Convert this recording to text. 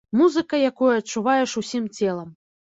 Музыка, якую адчуваеш усім целам.